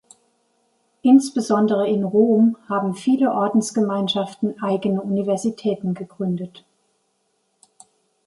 Insbesondere in Rom haben viele Ordensgemeinschaften eigene Universitäten gegründet.